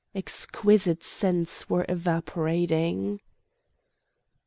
Exquisite scents were evaporating.